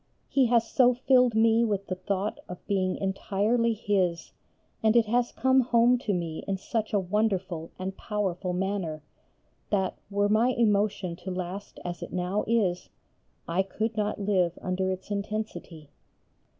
He has so filled me with the thought of being entirely His, and it has come home to me in such a wonderful and powerful manner, that, were my emotion to last as it now is, I could not live under its intensity.